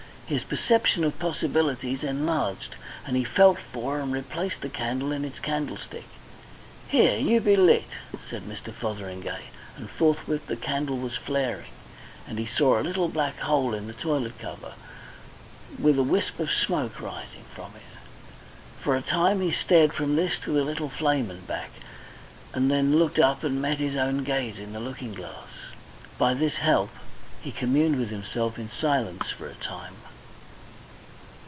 His perception of possibilities enlarged, and he felt for and replaced the candle in its candlestick. "Here! you be lit," said Mr. Fotheringay, and forthwith the candle was flaring, and he saw a little black hole in the toilet cover, with a wisp of smoke rising from it. For a time he stared from this to the little flame and back, and then looked up and met his own gaze in the looking glass. By this help he communed with himself in silence for a time.